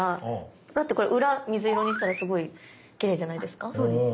だってこれ裏水色にしたらすごいきれいじゃないですか。